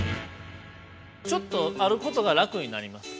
ちょっとあることが楽になります。